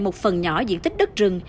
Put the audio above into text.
một phần nhỏ diện tích đất rừng